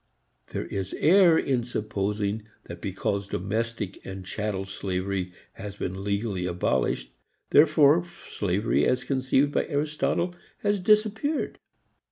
There is error in supposing that because domestic and chattel slavery has been legally abolished, therefore slavery as conceived by Aristotle has disappeared.